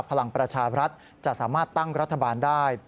พลังประชารัฐจะสามารถตั้งรัฐบาลได้